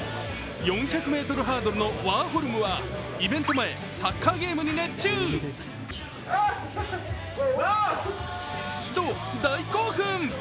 ４００ｍハードルのワーホルムはイベント前、サッカーゲームに熱中と大興奮。